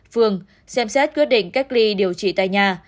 phường xem xét quyết định cách ly điều trị tại nhà